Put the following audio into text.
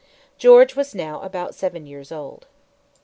George was now about seven years old.